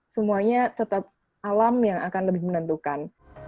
semuanya tetap alam yang akan lebih menentukan